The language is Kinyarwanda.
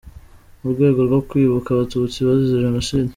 mu rwego rwo kwibuka Abatutsi bazize Jenoside.